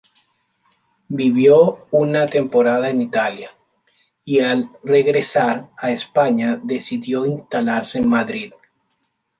Vivió una temporada en Italia, y al regresar a España decidió instalarse en Madrid.